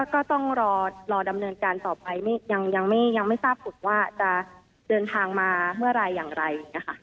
ก็ต้องรอดำเนินการต่อไปยังไม่ทราบผลว่าจะเดินทางมาเมื่อไหร่อย่างไร